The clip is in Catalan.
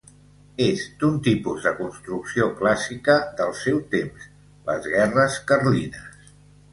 És d'un tipus de construcció clàssica del seu temps: les guerres carlines.